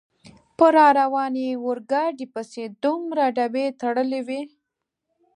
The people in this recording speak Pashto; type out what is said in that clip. په را روانې اورګاډي پسې دومره ډبې تړلې وې.